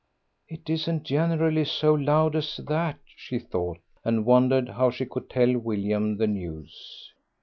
"It isn't generally so loud as that," she thought, and wondered how she could tell William the news.